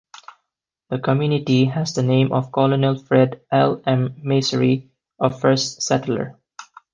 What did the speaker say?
The community has the name of Colonel Fred L. M. Masury, a first settler.